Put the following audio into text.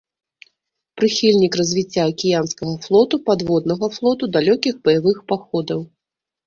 Прыхільнік развіцця акіянскага флоту, падводнага флоту, далёкіх баявых паходаў.